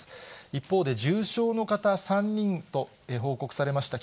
一方で重症の方、３人と報告されました。